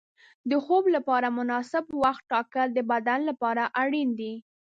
د خوب لپاره مناسب وخت ټاکل د بدن لپاره اړین دي.